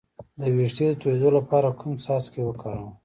د ویښتو د تویدو لپاره کوم څاڅکي وکاروم؟